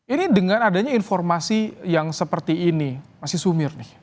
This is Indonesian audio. ini dengan adanya informasi yang seperti ini masih sumir nih